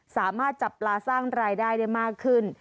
สามารถจับปลาสร้างรายได้ได้มากขึ้น